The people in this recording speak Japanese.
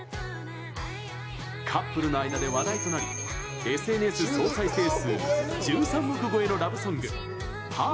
カップルの間で話題となりＳＮＳ総再生数１３億超えのラブソング「Ｐａｒｔｎｅｒ」。